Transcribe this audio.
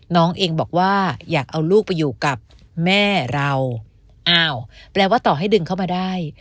น้องเองบอกว่าอยากเอาลูกไปอยู่กับแม่เราอ้าวแปลว่าต่อให้ดึงเข้ามาได้